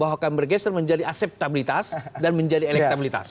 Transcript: bahwa akan bergeser menjadi aseptabilitas dan menjadi elektabilitas